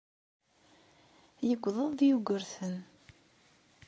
Yewweḍ-d Yugurten.